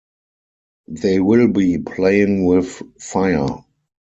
They will be playing with fire.